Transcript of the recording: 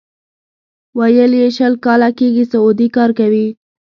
ویل یې شل کاله کېږي سعودي کار کوي.